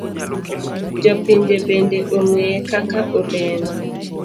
Jo pinje bende ong'eye kaka olendo.